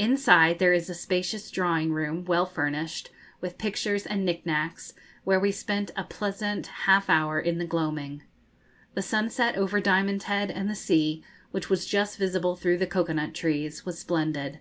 Inside there is a spacious drawing room, well furnished, with pictures and nick nacks, where we spent a pleasant half hour in the gloaming. The sunset, over Diamond Head, and the sea, which was just visible through the cocoa nut trees, was splendid.